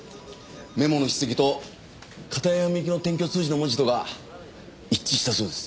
メモの筆跡と片山みゆきの転居通知の文字とが一致したそうです。